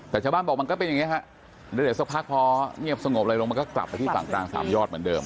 แต่ชาวบ้านบอกมันก็เป็นอย่างนี้ฮะแล้วเดี๋ยวสักพักพอเงียบสงบอะไรลงมันก็กลับไปที่ฝั่งกลางสามยอดเหมือนเดิม